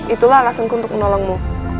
itulah alasanku untuk menolongmu